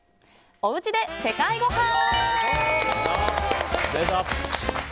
おうちで世界ごはん。